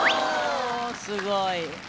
すごい。